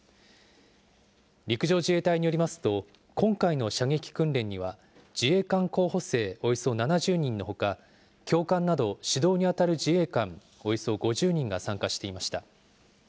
陸上自衛隊によりますと、今回の射撃訓練には、自衛官候補生およそ７０人のほか、教官など指導に当たる自衛官およそ５０人が参加していました。